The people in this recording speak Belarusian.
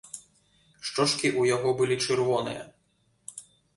Шчочкі ў яго былі чырвоныя.